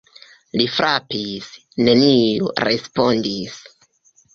Li frapis: neniu respondis.